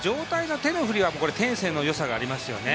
手の振りが天性のものがありますよね。